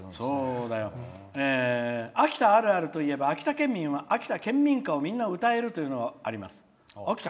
「秋田あるあるといえば秋田県民は秋田県民歌をみんなが歌えるっていうのがあります。